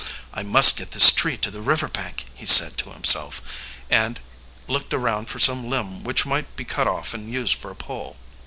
"I must get this tree to the river bank," he, said to himself, and looked around for some limb which might be cut off and used for a pole.